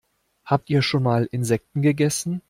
Habt ihr schon mal Insekten gegessen?